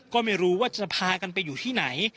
ก็ไม่รู้ว่าจะพากันไปอยู่ที่ไหน